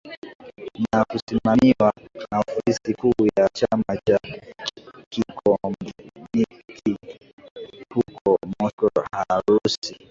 na kusimamiwa na ofisi kuu ya chama cha kikomunisti huko Moscow Urusi